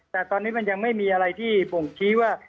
แต่ตอนนี้มันยังไม่มีอะไรที่บ่งชี้ว่า